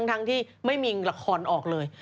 ทั้งที่ไม่มีละครออกเลย